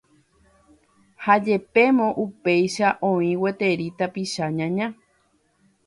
Ha jepémo upéicha oĩ gueteri tapicha ñaña